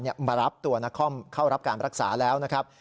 มารับตัวนครเข้ารับการรักษาแล้วนะครับ